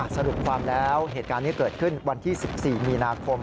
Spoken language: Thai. สรุปความแล้วเหตุการณ์นี้เกิดขึ้นวันที่๑๔มีนาคม